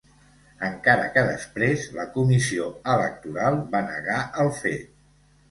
Encara que després, la Comissió Electoral va negar el fet.